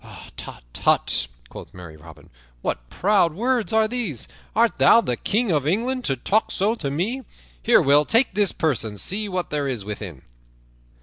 "Hut, tut," quoth merry Robin, "what proud words are these? Art thou the King of England, to talk so to me? Here, Will, take this purse and see what there is within."